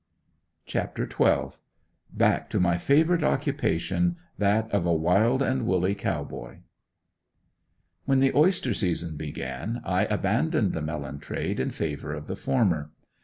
CHAPTER XII. BACK TO MY FAVORITE OCCUPATION, THAT OF A WILD AND WOOLLY COW BOY. When the oyster season began, I abandoned the melon trade in favor of the former.